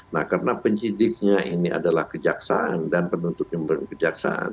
nah karena penyidiknya ini adalah kejaksaan dan penuntutnya kejaksaan